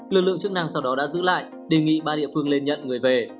lực lượng chức năng sau đó đã giữ lại đề nghị ba địa phương lên nhận người về